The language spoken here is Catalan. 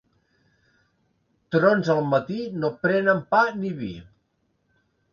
Trons al matí no prenen pa ni vi.